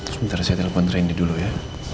sebentar saya telepon tni dulu ya